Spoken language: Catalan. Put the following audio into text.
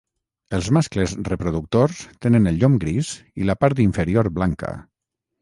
Els mascles reproductors tenen el llom gris i la part inferior blanca.